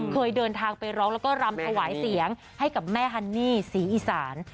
เคยเดินทางไปร้องแล้วก็รำถวายเสียงให้กับแม่ฮันนี่ศรีอีสาน